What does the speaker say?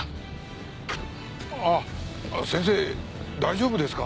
あっ先生大丈夫ですか？